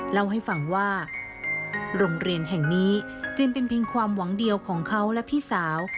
เล่าให้ฟังว่าโรงเรียนแห่งนี้จึงเป็นเพียงความหวังเดียวของเขาและพี่สาว